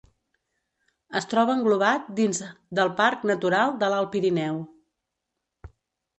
Es troba englobat dins del Parc Natural de l’Alt Pirineu.